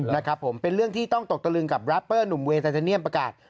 นะครับผมเป็นเรื่องที่ต้องตกตะลึงกับรัปเปอร์หนุ่มเวซาเทเนียมประกาศ